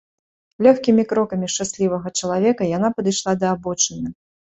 Лёгкімі крокамі шчаслівага чалавека яна падышла да абочыны.